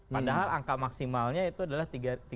padahal angka maksimalnya itu adalah tiga ratus